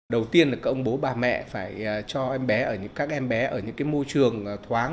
đầu tiên là các ông bố bà mẹ phải cho các em bé ở những môi trường thoáng